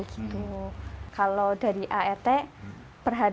biasanya pelanggan lama majikan konfirmasi ke kita mbak